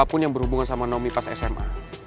siapapun yang berhubungan sama naomi pas sma